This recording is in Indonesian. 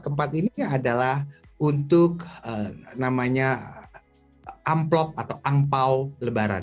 keempat ini adalah untuk namanya amplop atau angpao lebaran